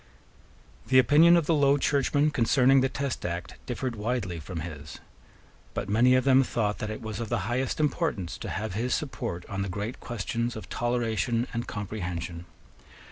The opinion of the Low Churchmen concerning the Test Act differed widely from his. But many of them thought that it was of the highest importance to have his support on the great questions of Toleration and Comprehension.